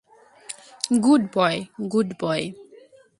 Good boy, good boy.